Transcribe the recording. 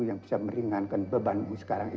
yang bisa meringankan bebanmu sekarang